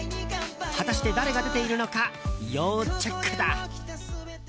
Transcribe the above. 果たして、誰が出ているのか要チェックだ。